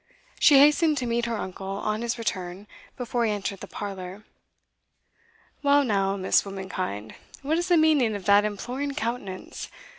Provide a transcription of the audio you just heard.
She hastened to meet her uncle on his return, before he entered the parlour. "Well, now, Miss Womankind, what is the meaning of that imploring countenance?